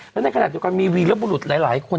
และในขณะนั้นหนึ่งมีวีรบุรุษหลายคน